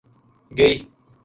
گئی